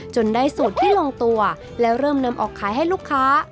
ได้สูตรที่ลงตัวแล้วเริ่มนำออกขายให้ลูกค้า